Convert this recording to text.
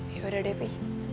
ya udah deh pi